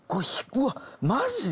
うわっマジで？